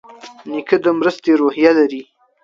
نیکه د مرستې روحیه لري.